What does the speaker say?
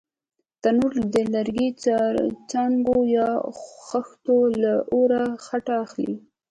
تنور د لرګي، څانګو یا خښتو له اوره ګټه اخلي